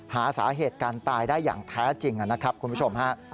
หาสาเหตุการตายได้อย่างแท้จริงนะครับคุณผู้ชมฮะ